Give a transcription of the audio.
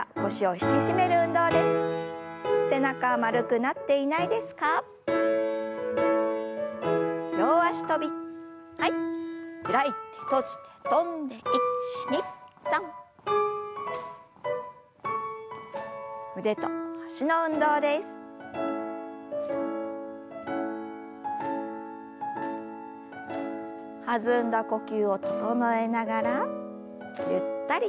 弾んだ呼吸を整えながらゆったりと。